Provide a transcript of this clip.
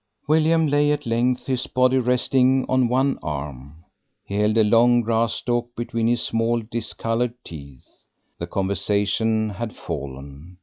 William lay at length, his body resting on one arm. He held a long grass stalk between his small, discoloured teeth. The conversation had fallen.